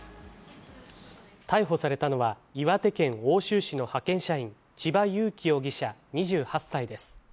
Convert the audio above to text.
逮捕されたのは、岩手県奥州市の派遣社員、千葉裕生容疑者２８歳です。